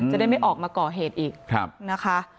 จะได้ไม่ออกมาก่อเหตุอีกนะคะ